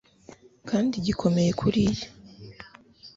kandi gikomeye kuriya